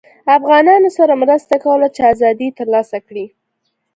افغانانوسره مرسته کوله چې ازادي ترلاسه کړي